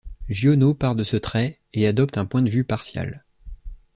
Giono part de ce trait, et adopte un point de vue partial.